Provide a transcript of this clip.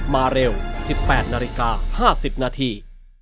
มาเร็ว๑๘นาฬิกา๕๐นาที